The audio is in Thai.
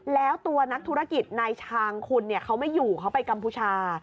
แล้วตัวนักธุรกิจนายชางคุณเขาไม่อยู่เขาไปกัมพูชา